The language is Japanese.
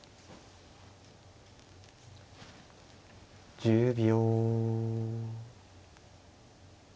１０秒。